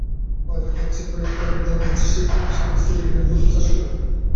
বাড়ির কাছেকয়েক কাঠা জমি আছে, সেখানে স্বামী-স্ত্রী মিলে ফুলের চাষ করেন।